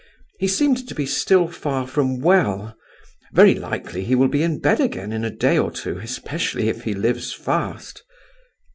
He seemed to be still far from well. Very likely he will be in bed again in a day or two, especially if he lives fast."